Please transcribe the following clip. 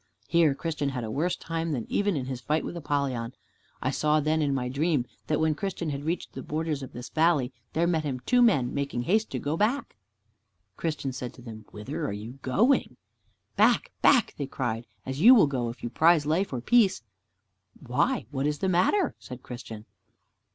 Here Christian had a worse time than even in his fight with Apollyon. I saw then in my dream that when Christian had reached the borders of this valley, there met him two men, making haste to go back. Christian said to them, "Whither are you going?" "Back, back," they cried, "as you will go, if you prize life or peace!" "Why, what is the matter?" said Christian.